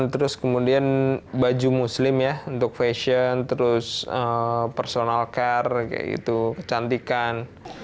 terus kemudian baju muslim ya untuk fashion terus personal care kayak gitu kecantikan